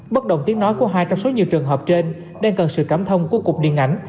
bất động tiếng nói của hai trong số nhiều trường hợp trên đang cần sự cảm thông của cục điện ảnh